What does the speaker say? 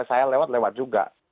saya lewat lewat juga